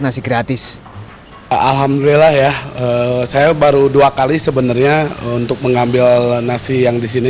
nasi gratis alhamdulillah ya saya baru dua kali sebenarnya untuk mengambil nasi yang disini